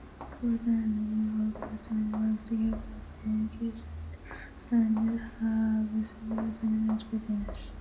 Churdan and nearby Paton, work together as communities and have several general businesses.